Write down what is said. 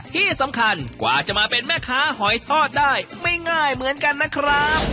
ที่สำคัญกว่าจะมาเป็นแม่ค้าหอยทอดได้ไม่ง่ายเหมือนกันนะครับ